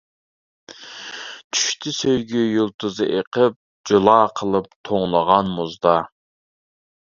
چۈشتى سۆيگۈ يۇلتۇزى ئېقىپ. جۇلا قىلىپ توڭلىغان مۇزدا.